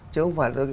chứ không phải là